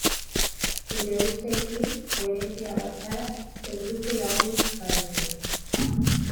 Zure usteekin koherentea bazara ez duzu lagunik galtzen.